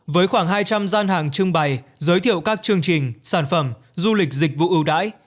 với khoảng hai trăm linh gian hàng trưng bày giới thiệu các chương trình sản phẩm du lịch dịch vụ ưu đãi